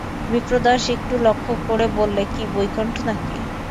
বিপ্রদাস একটু লক্ষ্য করে বললে, কী, বৈকুণ্ঠ নাকি?